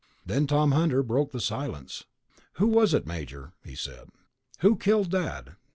Then Tom Hunter broke the silence. "Who was it, Major?" he said. "Who killed Dad?